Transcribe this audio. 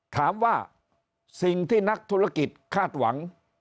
ถามว่าสิ่งที่นักธุรกิจคาดหวัง